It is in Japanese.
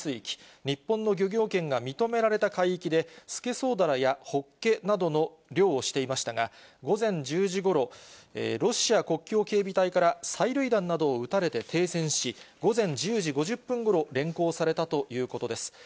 船はきのう昼ごろに稚内港を出港し、宗谷岬の東の排他的経済水域、日本の漁業権が認められた海域で、スケソウダラやホッケなどの漁をしていましたが、午前１０時ごろ、ロシア国境警備隊から催涙弾などを撃たれて停船し、午前１０時５０分ごろ、連行されたということです。